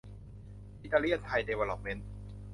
อิตาเลียนไทย ดีเวล๊อปเมนต์